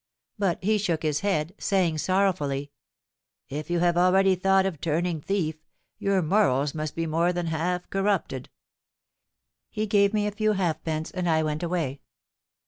But he shook his head, saying sorrowfully, 'If you have already thought of turning thief, your morals must be more than half corrupted.'—He gave me a few halfpence, and I went away.